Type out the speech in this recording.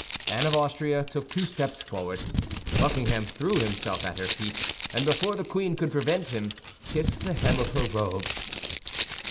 Anne of Austria took two steps forward. Buckingham threw himself at her feet, and before the queen could prevent him, kissed the hem of her robe.